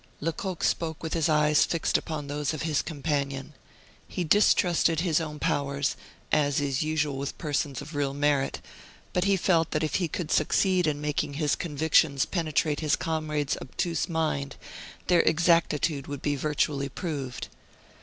Lecoq spoke with his eyes fixed upon those of his companion. He distrusted his own powers, as is usual with persons of real merit, but he felt that if he could succeed in making his convictions penetrate his comrade's obtuse mind, their exactitude would be virtually proved.